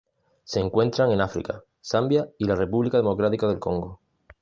Se encuentran en África: Zambia y la República Democrática del Congo.